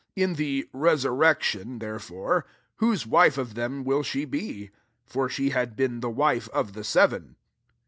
33 In the resurrection, therefore, whose wife of them will she be ? for she had been the wife of the seven."